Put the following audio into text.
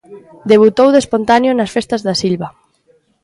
Debutou de espontáneo nas festas da Silva.